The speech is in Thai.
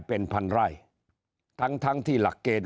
เป็นพันไร่ทั้งทั้งที่หลักเกณฑ์